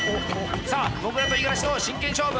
さあもぐらと五十嵐の真剣勝負。